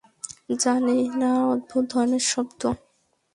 জানি না, অদ্ভুত ধরনের শব্দ!